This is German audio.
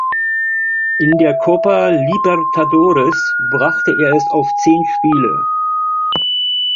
In der Copa Libertadores brachte er es auf zehn Spiele.